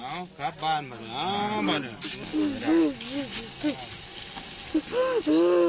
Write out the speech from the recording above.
น้องน้องขับบ้านมาดูอ้าวมาดู